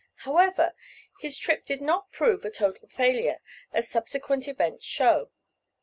However, his trip did not prove a total failure, as subsequent events show.